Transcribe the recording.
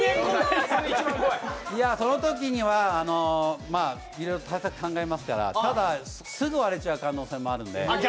そのときにはいろいろ対策考えますからただ、すぐ割れちゃう可能性もあるんで。